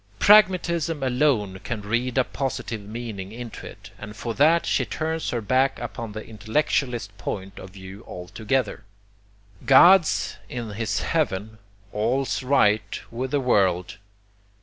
Pragmatism alone can read a positive meaning into it, and for that she turns her back upon the intellectualist point of view altogether. 'God's in his heaven; all's right with the world!'